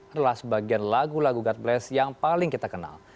adalah sebagian lagu lagu god bless yang paling kita kenal